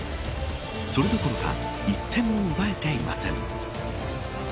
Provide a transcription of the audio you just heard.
それどころか１点も奪えていません。